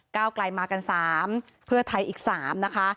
ไกลมากัน๓เพื่อไทยอีก๓นะคะ